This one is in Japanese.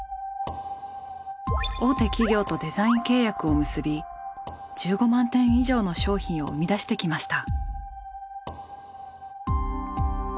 大手企業とデザイン契約を結び１５万点以上の商品を生み出してきました。